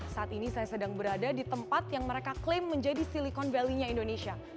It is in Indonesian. saat ini saya sedang berada di tempat yang mereka klaim menjadi silicon valley nya indonesia